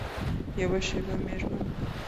یوه شپه مېرمن